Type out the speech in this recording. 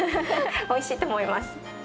おいしいと思います。